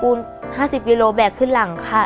หนูเคยลองเอากู๕๐กิโลค่ะแบบขึ้นหลัง